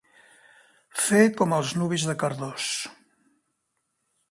Fer com els nuvis de Cardós.